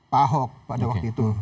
pak ahok pada waktu itu